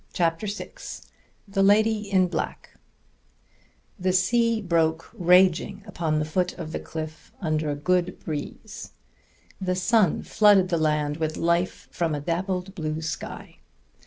CHAPTER VI THE LADY IN BLACK The sea broke raging upon the foot of the cliff under a good breeze; the sun flooded the land with life from a dappled blue sky.